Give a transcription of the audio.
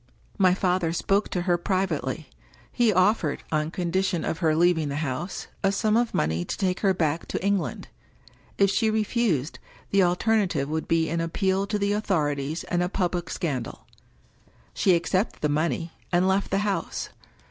My father spoke to her privately : he offered — on condition of her leaving the house — a sum of money to take her back to England. If she refused, the alternative would be an appeal to the authorities and a public scandal. She accepted the money, and left the house.